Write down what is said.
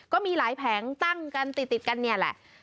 ก็มีหลายแผงตั้งกันติดกันเนี่ยแหละ